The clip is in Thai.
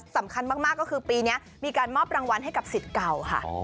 สำคัญมากก็คือปีนี้มีการมอบรางวัลให้กับสิทธิ์เก่าค่ะ